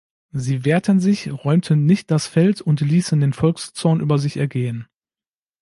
Sie wehrten sich, räumten nicht das Feld und ließen den Volkszorn über sich ergehen.